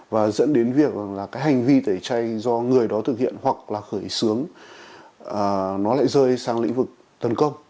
và dẫn đến việc là cái hành vi tẩy chay do người đó thực hiện hoặc là khởi xướng nó lại rơi sang lĩnh vực tấn công